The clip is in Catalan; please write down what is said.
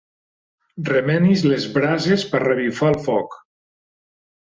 Remenis les brases per revifar el foc.